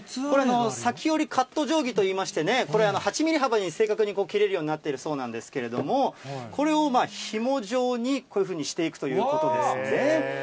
これは裂き織りカット定規といいましてね、これ、８ミリ幅に正確に切れるようになっているそうなんですけれども、これをひも状に、こういうふうにしていくということですね。